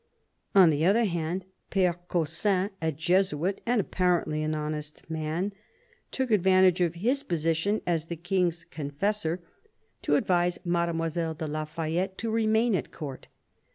On the other hand Pere Caussin, a Jesuit, and appar ently an honest man, took advantage of his place as the King's confessor to advise Mademoiselle de la Fayette to remain at Court.